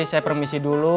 saya permisi dulu